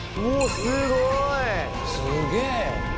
すげえ。